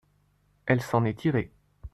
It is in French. Elle s’en est tirée.